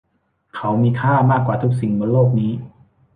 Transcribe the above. เขามีค่ามากกว่าทุกสิ่งบนโลกนี้